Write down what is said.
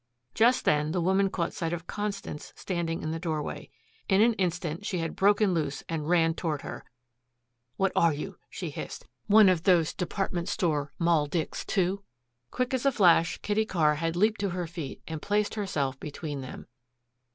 Just then the woman caught sight of Constance standing in the doorway. In an instant she had broken loose and ran toward her. "What are you," she hissed, "one of these department store Moll Dicks, too?" Quick as a flash Kitty Carr had leaped to her feet and placed herself between them.